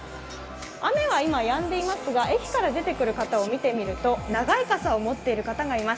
雨は今やんでいますが、駅から出てくる方を見ていると長い傘を持っている方がいます。